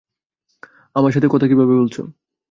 আমার সাথে কীভাবে কথা বলছ?